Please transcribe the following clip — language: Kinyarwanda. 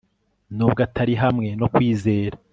Nubwo atari hamwe no Kwizera